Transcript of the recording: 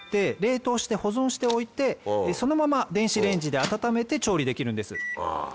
冷凍して保存しておいてそのまま電子レンジで温めて調理できるんです。